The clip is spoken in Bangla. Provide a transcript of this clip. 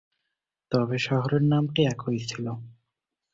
তবে শহরের নামটি একই ছিল।